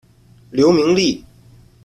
刘明利。